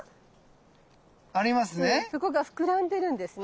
そこが膨らんでるんですね。